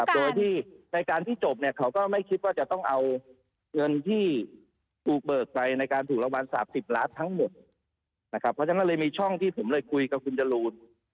โดยที่ในการที่จบเนี่ยเขาก็ไม่คิดว่าจะต้องเอาเงินที่ถูกเบิกไปในการถูกรางวัล๓๐ล้านทั้งหมดนะครับเพราะฉะนั้นเลยมีช่องที่ผมเลยคุยกับคุณจรูน